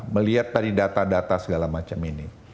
melihat tadi data data segala macam ini